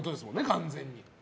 完全に。